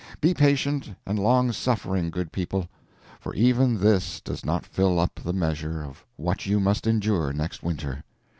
Be patient and long suffering, good people, for even this does not fill up the measure of what you must endure next winter.